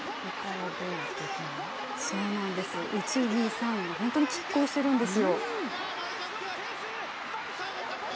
１、２、３位が本当にきっ抗しているんですよ。